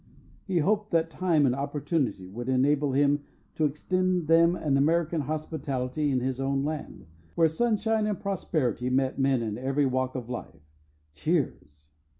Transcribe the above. He hoped that time and opportunity would enable him to extend to them an American hospitality in his own land, where sunshine and prosperity met men in every walk of life. (Cheers.)